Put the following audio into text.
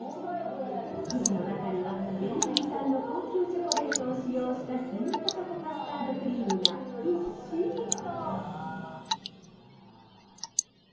生地の中には、ベルギー産の高級チョコレートを使用したスイートチョコカスタードクリームがぎっしりと。